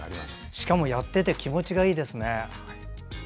しかもやってて気持ちがいいですね。